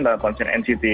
entah konser nct